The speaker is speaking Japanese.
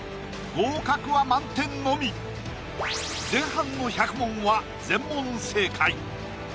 合格は満点のみ前半の１００問は全問正解！